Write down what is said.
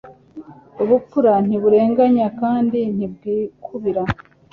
ubupfura ntiburenganya kandi ntibwikubira